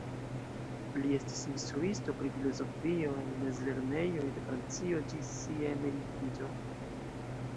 Li estis instruisto pri filozofio en mezlernejoj de Francio ĝis sia emeritiĝo.